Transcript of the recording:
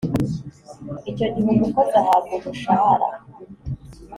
icyo gihe umukozi ahabwa umushahara